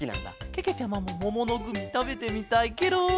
けけちゃまももものグミたべてみたいケロ。